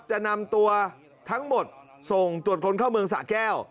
จะนำตัวทั้งหมดส่งตรวจคนเข้าเมืองสะแก้ว